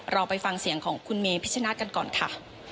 เราไปฟังเสียงของคุณเมพิชนะกันก่อนค่ะ